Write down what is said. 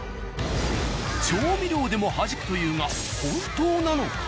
調味料でもはじくというが本当なのか？